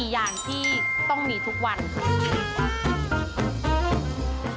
อย่างที่ต้องมีทุกวันค่ะ